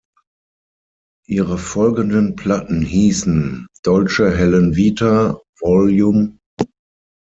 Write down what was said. Ihre folgenden Platten hiessen "Dolce Helen Vita" Vol.